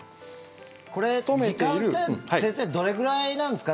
これ、時間って先生、どれくらいなんですか？